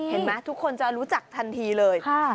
เห็นมั้ยทุกคนจะรู้จักทันทีเลย